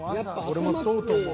俺もそうと思う。